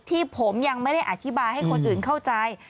ที่ผมยังไม่ได้อธิบายให้คนอื่นเข้าใจ